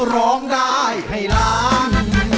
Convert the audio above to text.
ร้องได้ให้ล้าน